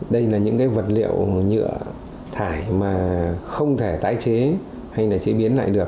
đây là những vật liệu nhựa thải mà không thể tái chế hay chế biến lại được